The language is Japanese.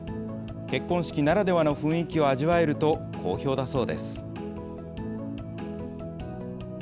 結婚式ならではの雰囲気を味わえると好評だそうです。